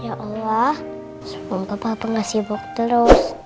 ya allah semoga bapak gak sibuk terus